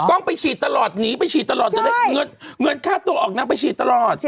กล้องไปฉีดตลอดหนีไปฉีดตลอดเงินค่าตัวออกนะไปฉีดตลอด